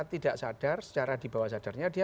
tidak sadar secara di bawah sadarnya dia